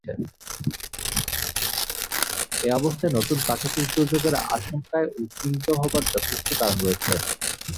এ অবস্থায় নতুন প্রাকৃতিক দুর্যোগের আশঙ্কায় উদ্বিগ্ন হওয়ার যথেষ্ট কারণ রয়েছে।